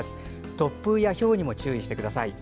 突風やひょうにも注意してください。